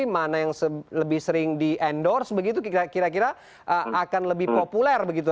mana yang lebih sering di endorse begitu kira kira akan lebih populer begitu